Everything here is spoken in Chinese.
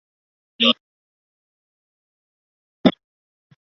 不等壳毛蚶是魁蛤目魁蛤科毛蚶属的一种。